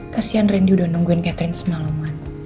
kasian randy udah nungguin catherine semalaman